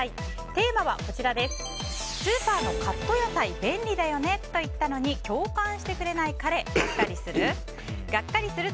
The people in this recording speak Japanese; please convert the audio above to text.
テーマはスーパーのカット野菜便利だよねと言ったのに共感してくれない彼ガッカリする？